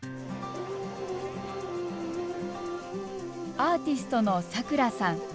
アーティストの、さくらさん。